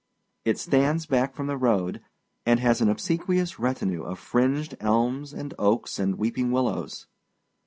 It stands back from the road, and has an obsequious retinue of fringed elms and oaks and weeping willows.